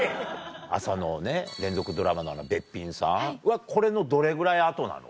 朝の連続ドラマの『べっぴんさん』はこれのどれぐらい後なの？